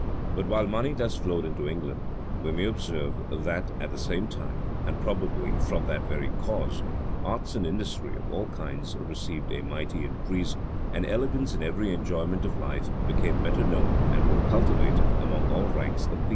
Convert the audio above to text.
But, while money thus flowed into England, we may observe, that, at the same time, and probably from that very cause, arts and industry of all kinds received a mighty increase; and elegance in every enjoyment of life became better known and more cultivated among all ranks of people.